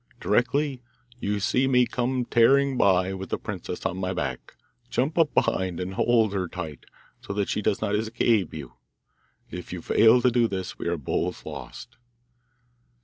Directly you see me come tearing by with the princess on my back, jump up behind, and hold her tight, so that she does not escape you. If you fail to do this, we are both lost.